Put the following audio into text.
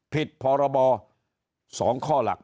ผิดพรบ๒ข้อหลัก